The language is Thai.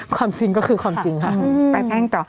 ความจริงก็คือความจริงค่ะไปแพ่งต่อ